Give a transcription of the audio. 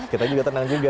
kita juga tenang juga